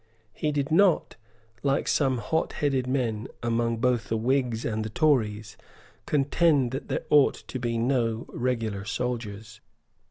He did not, like some hot headed men, among both the Whigs and the Tories, contend that there ought to be no regular soldiers.